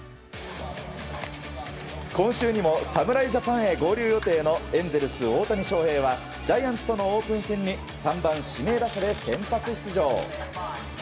今週にも侍ジャパンへ合流予定のエンゼルス、大谷翔平はジャイアンツとのオープン戦に３番指名打者で先発出場。